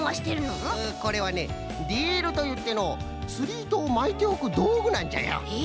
これはねリールといってのうつりいとをまいておくどうぐなんじゃよ。へえ。